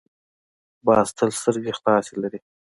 باز تل سترګې خلاصې لري